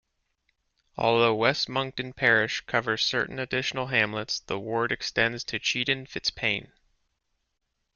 Although "West Monkton" parish covers certain additional hamlets the ward extends to Cheddon Fitzpaine.